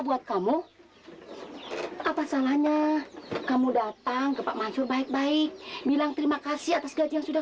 buat kamu apa salahnya kamu datang ke pak mansur baik baik bilang terima kasih atas gaji yang sudah